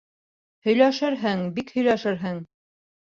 Һөйләшерһең, бик һөйләшерһең!